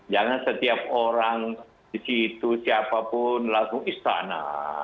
jangan setiap orang di situ siapapun lagu istana